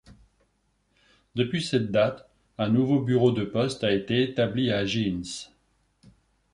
Depuis cette date, un nouveau bureau de poste a été établi à Gheens.